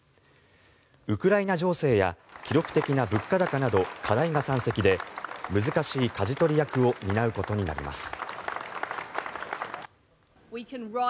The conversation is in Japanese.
ウクライナ情勢や記録的な物価高など課題が山積で難しいかじ取り役を担うことになります。